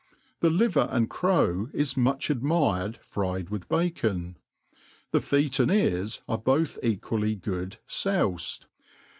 The liver and crov is much ad« mired fried with bacon; the feet and earl are both eduafly good foufed.